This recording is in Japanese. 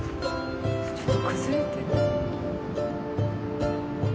「ちょっと崩れてる」